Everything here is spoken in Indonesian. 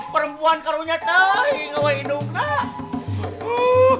perempuan karunya tau hinggauinung tak